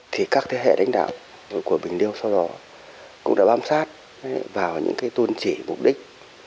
thì các thế hệ đánh đạo của bình liêu sau đó cũng đã bám sát vào những cái tôn chỉ mục đích